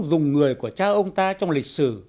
dùng người của cha ông ta trong lịch sử